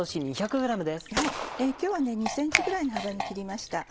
今日は２ｃｍぐらいの幅に切りました。